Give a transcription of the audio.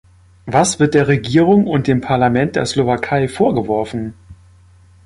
Was wird der Regierung und dem Parlament der Slowakei vorgeworfen?